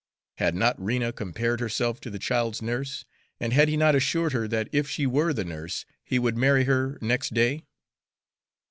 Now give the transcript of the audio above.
Had not Rena compared herself to the child's nurse, and had he not assured her that if she were the nurse, he would marry her next day?